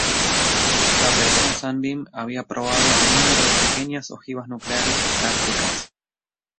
La operación Sunbeam había probado un número de pequeñas ojivas nucleares "tácticas".